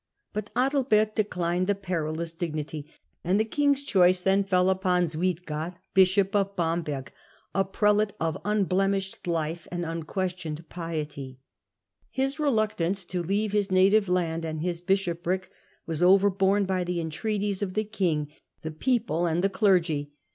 But Adalbert declined the perilous dignity, and the king's choice then fell upon Suidger, bishop of Bamberg, a prelate of unblemished life and unquestioned piety. His reluctance to leave his native land and his bishopric was overborne by the entreaties of the king, the people, and the clergy.